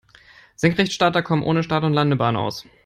Senkrechtstarter kommen ohne Start- und Landebahn aus.